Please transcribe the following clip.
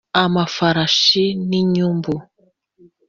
Amafarashi n inyumbu